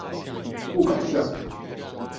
不搞笑